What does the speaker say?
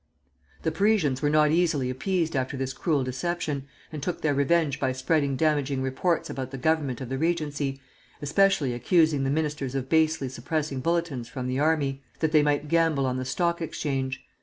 The Parisians were not easily appeased after this cruel deception, and took their revenge by spreading damaging reports about the Government of the regency, especially accusing the ministers of basely suppressing bulletins from the army, that they might gamble on the stock exchange.